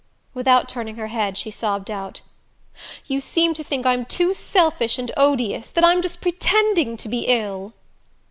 Without turning her head she sobbed out: "You seem to think I'm too selfish and odious that I'm just pretending to be ill."